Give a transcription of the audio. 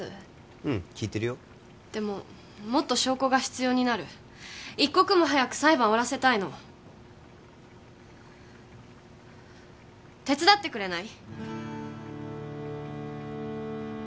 うん聞いてるよでももっと証拠が必要になる一刻も早く裁判終わらせたいの手伝ってくれない？